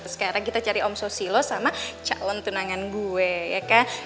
sekarang kita cari om sosilo sama calon tunangan gue ya kan